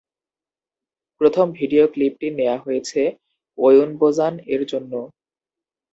প্রথম ভিডিও ক্লিপটি নেয়া হয়েছে "ওয়ুনবোজান" এর জন্য।